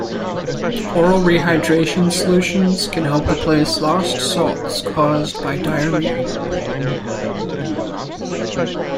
Oral re-hydration solutions can help replace lost salts caused by diarrhoea.